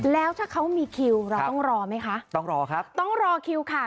แล้วถ้าเขามีคิวเราต้องรอไหมคะต้องรอครับต้องรอคิวค่ะ